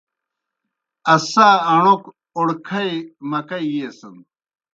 اسا اݨوک اوڑکھئی مکئی ییسَن۔